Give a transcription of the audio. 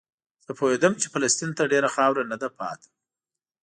زه پوهېدم چې فلسطین ته ډېره خاوره نه ده پاتې.